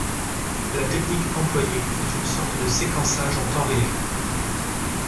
La technique employée est une sorte de séquençage en temps réel.